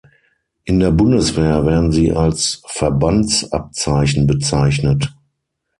In der Bundeswehr werden sie als Verbandsabzeichen bezeichnet.